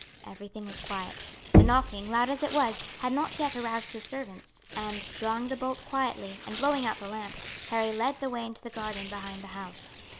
Everything was quiet. The knocking, loud as it was, had not yet aroused the servants, and, drawing the bolt quietly, and blowing out the lamp, Harry led the way into the garden behind the house.